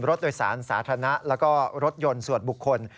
รถโดยสารสาธารณะแล้วก็รถยนต์ส่วนบุคคล